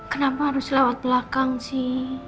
kenapa harus lewat belakang sih